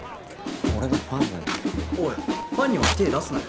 俺のファンなんだっておいファンには手出すなよ